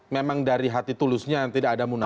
memang dari hati tulusnya tidak ada munas